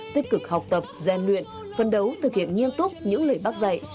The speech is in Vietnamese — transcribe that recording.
tích cực học tập gian luyện phân đấu thực hiện nghiêm túc những lời bác dạy